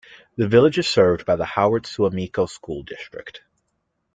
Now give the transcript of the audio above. The village is served by the Howard-Suamico School District.